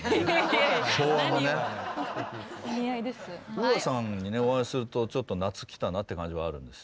ＵＡさんにお会いするとちょっと夏来たなって感じはあるんです。